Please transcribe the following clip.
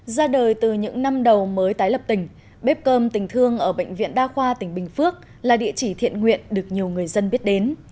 ra đời từ những năm đầu mới tái lập tỉnh bếp cơm tình thương ở bệnh viện đa khoa tỉnh bình phước là địa chỉ thiện nguyện được nhiều người dân biết đến